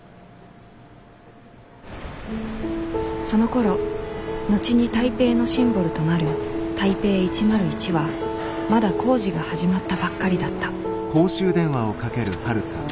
そのころ後に台北のシンボルとなる台北１０１はまだ工事が始まったばっかりだった